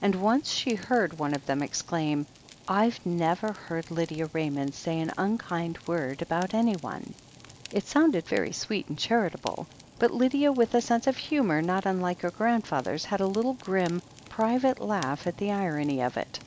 And once she heard one of them exclaim : "I've never heard Lydia Raymond say an unkind word about anybody." It sotmded very sweet and charitable, but Lydia, with a sense of humour not tmlike her grandfather's, had a little grim, private laugh at the irony of it.